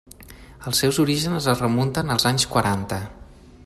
Els seus orígens es remunten als anys quaranta.